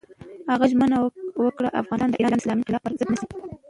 هغه ژمنه وکړه، افغانستان د ایران د اسلامي انقلاب پر ضد نه شي.